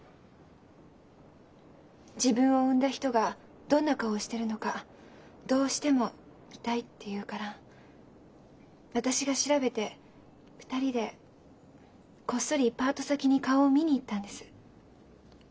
「自分を産んだ人がどんな顔をしてるのかどうしても見たい」って言うから私が調べて２人でこっそりパート先に顔を見に行ったんです。